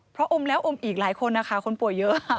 เพราะอมแล้วอมอีกหลายคนนะคะคนป่วยเยอะ